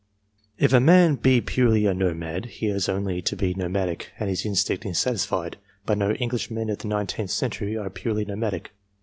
If a man be purely a nomad, he has only to be nomadic, and his instinct is satisfied ; but no Englishmen of the nineteenth century are purely nomadic.